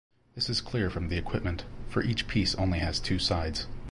This is clear from the equipment, for each piece only has two sides.